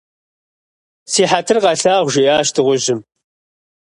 Си хьэтыр къэлъагъу, - жиӏащ дыгъужьым.